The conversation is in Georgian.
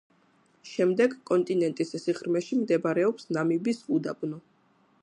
შემდეგ, კონტინენტის სიღრმეში მდებარეობს ნამიბის უდაბნო.